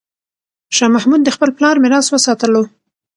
شاه محمود د خپل پلار میراث وساتلو.